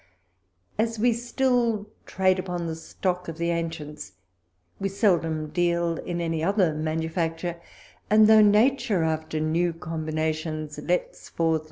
As we still trade upon the stock of the ancients, we seldom deal in any other manufacture ; aod, though nature, after new combinations lets forth WALPOLE S LETTERS.